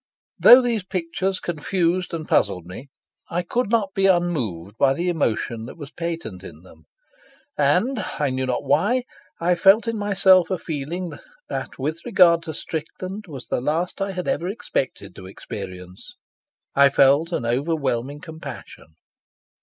Though these pictures confused and puzzled me, I could not be unmoved by the emotion that was patent in them; and, I knew not why, I felt in myself a feeling that with regard to Strickland was the last I had ever expected to experience. I felt an overwhelming compassion.